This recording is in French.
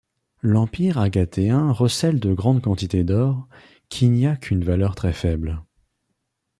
L'empire Agatéen recèle de grandes quantités d'or, qui n'y a qu'une valeur très faible.